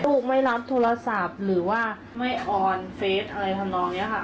ลูกไม่รับโทรศัพท์หรือว่าไม่ออนเฟสอะไรทำนองนี้ค่ะ